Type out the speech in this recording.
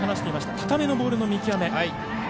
高めのボールの見極め。